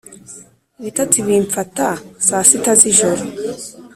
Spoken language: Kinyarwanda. Ibitotsi bimpfata saa sita zijoro